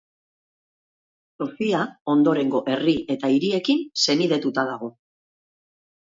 Sofia ondorengo herri eta hiriekin senidetuta dago.